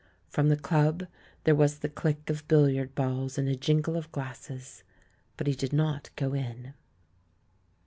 From the Club, there was the click of bil liard balls and a jingle of glasses. But he did not go in.